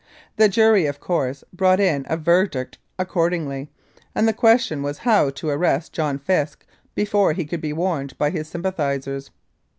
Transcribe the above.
The jury, of course, brought in a verdict accordingly, and the question was how to arrest John Fisk before he could be warned by his sympathisers.